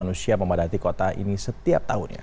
manusia memadati kota ini setiap tahunnya